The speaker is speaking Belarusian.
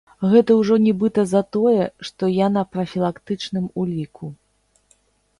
Гэта ўжо нібыта за тое, што я на прафілактычным уліку.